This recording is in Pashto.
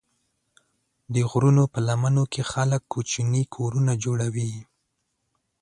د غرونو په لمنو کې خلک کوچني کورونه جوړوي.